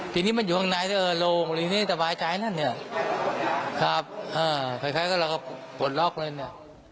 ทีนี้มันอยู่ห้างไหนได้เอ่อโรงหรือนึ